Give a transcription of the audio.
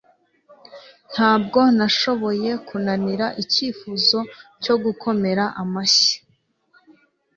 ntabwo nashoboye kunanira icyifuzo cyo gukomera amashyi